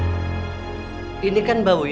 sampai ketemu lagi